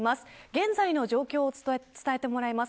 現在の状況を伝えてもらいます。